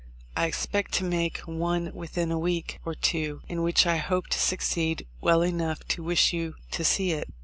I expect to make one within a week or two in which I hope to succeed well enough to wish you to see it."